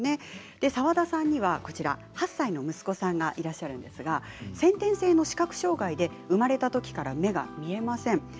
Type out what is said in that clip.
澤田さんには８歳の息子さんがいらっしゃるんですが先天性の視覚障害で生まれたときから目が見えません。